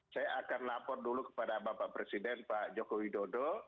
saya akan lapor dulu kepada bapak presiden pak joko widodo